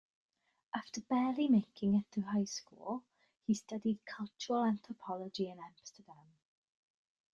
After barely making it through high school, he studied cultural anthropology in Amsterdam.